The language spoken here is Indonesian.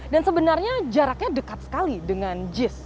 dan sebenarnya jaraknya dekat sekali dengan jis